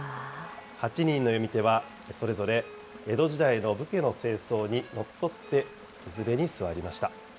８人の詠み手は、それぞれ江戸時代の武家の正装にのっとって水辺に座りました。